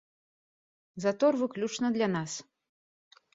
Затор выключна для нас.